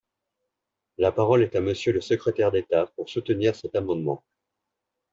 La parole est à Monsieur le secrétaire d’État, pour soutenir cet amendement.